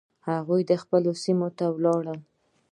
هغوی خپلو سیمو ته ولاړل.